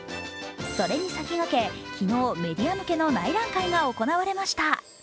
それに先駆け、昨日、メディア向けの内覧会が行われました。